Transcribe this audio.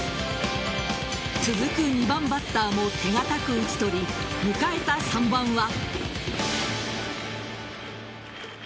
続く２番バッターも手堅く打ち取り迎えた３番は。